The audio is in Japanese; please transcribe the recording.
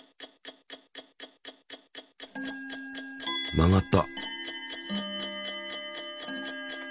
曲がった。